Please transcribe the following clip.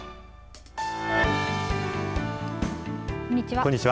こんにちは。